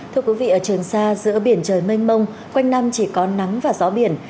thưa quý vị ở trường xa giữa biển trời mênh mông quanh năm chỉ có nắng và gió biển